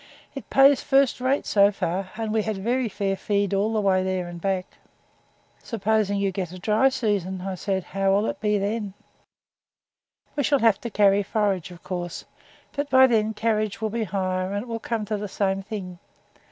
It pays first rate so far, and we had very fair feed all the way there and back.' 'Suppose you get a dry season,' I said, 'how will that be?' 'We shall have to carry forage, of course; but then carriage will be higher, and it will come to the same thing.